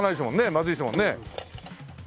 まずいですもんね。